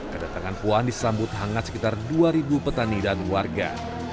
kedatangan puan disambut hangat sekitar dua petani dan warga